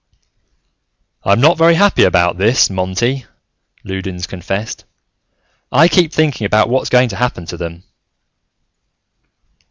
"I'm not very happy about this, Monty," Loudons confessed. "I keep thinking about what's going to happen to them."